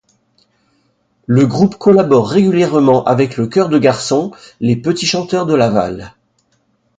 Le groupe collabore régulièrement avec le chœur de garçons les Petits chanteurs de Laval.